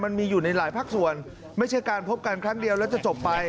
มันมีอยู่ในหลายภาคส่วนไม่ใช่การพบกันครั้งเดียวแล้วจะจบไป